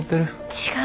違う。